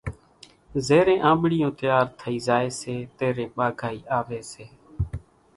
زيرين آنٻڙِيون تيار ٿئِي زائيَ سي تيرين ٻاگھائِي آويَ سي۔